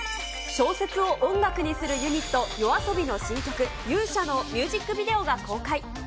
小説を音楽にするユニット、ＹＯＡＳＯＢＩの新曲、勇者のミュージックビデオが公開。